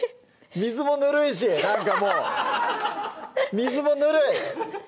水もぬるいしなんかもう水もぬるい！